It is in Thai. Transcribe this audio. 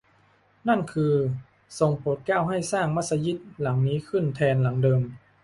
นั่นคือ ทรงโปรดเกล้าให้สร้างมัสยิดหลังนี้ขึ้นแทนหลังเดิม